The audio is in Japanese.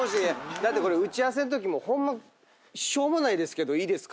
だってこれ打ち合わせのときもしょうもないけどいいですか？